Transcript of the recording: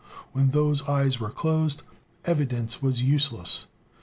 When those eyes were closed, evidence was useless.